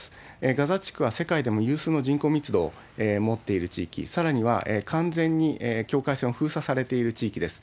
ガザ地区は世界でも有数の人口密度を持っている地域、さらには、完全に境界線を封鎖されている地域です。